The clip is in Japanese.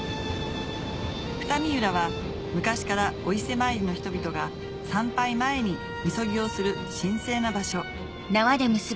二見浦は昔からお伊勢参りの人々が参拝前にみそぎをする神聖な場所